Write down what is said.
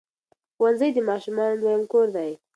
ښوونځي د ماشومانو دویم کور دی.